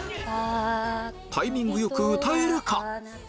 タイミングよく歌えるか？